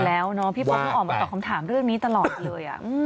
แล้วพี่ป๊อฟก็ออกมาตอบคำถามเรื่องนี้ตลอดเลย